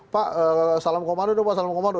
pak salam komando dong pak salam komando